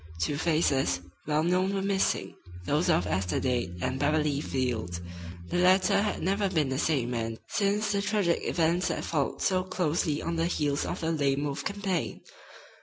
Two faces, well known, were missing, those of Esther Dade and Beverly Field. The latter had never been the same man since the tragic events that followed so closely on the heels of the Lame Wolf campaign.